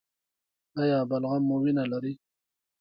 ایا بلغم مو وینه لري؟